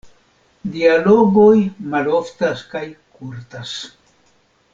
Dialogoj maloftas kaj kurtas.